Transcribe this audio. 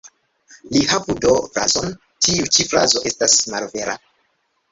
Ni havu do frazon ""Tiu ĉi frazo estas malvera.